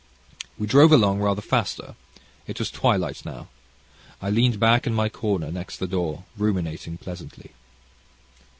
We drove along rather faster. It was twilight now. I leaned back in my corner next the door ruminating pleasantly.